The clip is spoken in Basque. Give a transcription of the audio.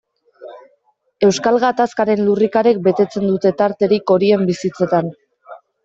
Euskal Gatazkaren lurrikarek betetzen dute tarterik horien bizitzetan.